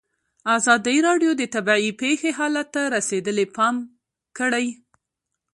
ازادي راډیو د طبیعي پېښې حالت ته رسېدلي پام کړی.